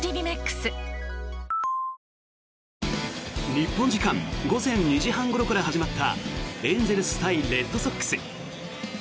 日本時間午前２時半ごろから始まったエンゼルス対レッドソックス。